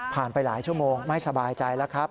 ไปหลายชั่วโมงไม่สบายใจแล้วครับ